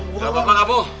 kenapa pak kamu